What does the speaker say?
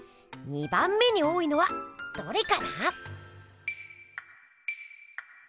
２番目に多いのはどれかな？